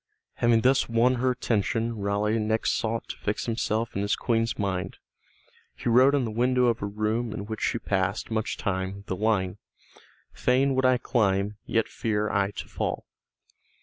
Having thus won her attention Raleigh next sought to fix himself in his Queen's mind. He wrote on the window of a room in which she passed much time the line: "Fain would I climb, yet fear I to fall."